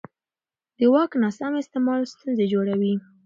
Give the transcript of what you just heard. د واک ناسم استعمال ستونزې جوړوي